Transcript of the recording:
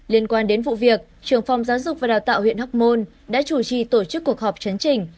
liên quan đến vụ việc trưởng phòng giáo dục và đào tạo huyện hóc môn đã chủ trì tổ chức cuộc họp chấn trình